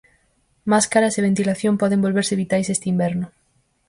Máscaras e ventilación poden volverse vitais este inverno.